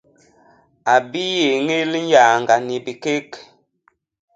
A biéñél nyaañga ni bikék.